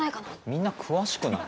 みんな詳しくない？